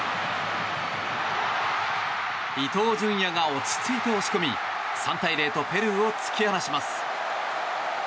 伊東純也が落ち着いて押し込み３対０とペルーを突き放します。